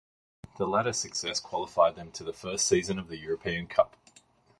The latter success qualified them to the first season of the European Cup.